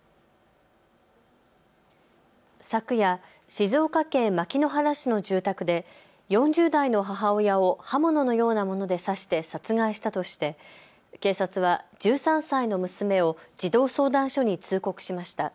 昨夜、静岡県牧之原市の住宅で４０代の母親を刃物のようなもので刺して殺害したとして警察は１３歳の娘を児童相談所に通告しました。